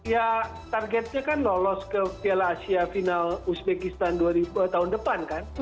ya targetnya kan lolos ke piala asia final uzbekistan tahun depan kan